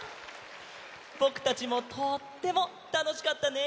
ぼくたちもとってもたのしかったね。